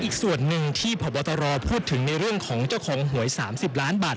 อีกส่วนหนึ่งที่พบตรพูดถึงในเรื่องของเจ้าของหวย๓๐ล้านบาท